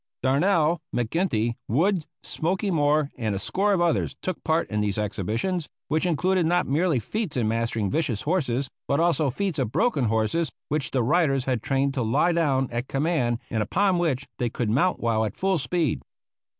Darnell, McGinty, Wood, Smoky Moore, and a score of others took part in these exhibitions, which included not merely feats in mastering vicious horses, but also feats of broken horses which the riders had trained to lie down at command, and upon which they could mount while at full speed.